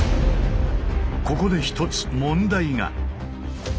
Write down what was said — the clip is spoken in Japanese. ここで一つ問題が。